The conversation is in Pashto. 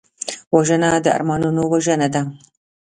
وژنه د ارمانونو وژنه ده